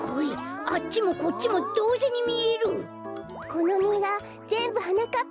このみがぜんぶはなかっ